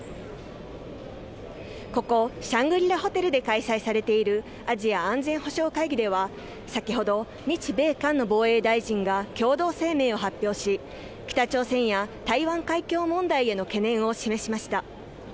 ここシャングリラホテルで開催されているアジア安全保障会議では、先ほど日米韓の防衛大臣が共同声明を発表し、北朝鮮や台湾海峡問題への懸念を示しました。